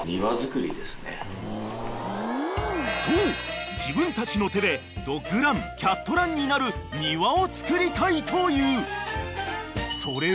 ［そう自分たちの手でドッグランキャットランになる庭を造りたいという］